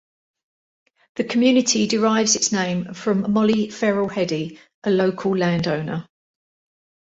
The community derives its name from Mollie Ferrel Heady, a local land owner.